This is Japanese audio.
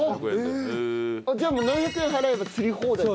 じゃあもう７００円払えば釣り放題という？